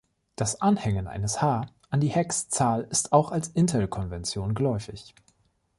Das Anhängen eines "h" an die Hex-Zahl ist auch als Intel-Konvention geläufig.